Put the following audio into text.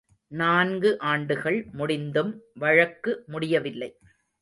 நான்கு ஆண்டுகள் முடிந்தும் வழக்கு முடியவில்லை.